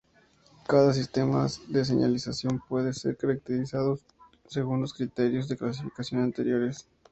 Cada sistema de señalización puede ser caracterizado según los criterios de clasificación anteriores.